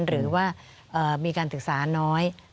หรือว่ามีการศึกษาน้อย